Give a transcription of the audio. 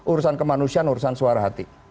urusan kemanusiaan urusan suara hati